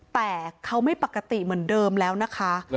แต่เขาไม่ปกติเหมือนเดิมแล้วนะคะ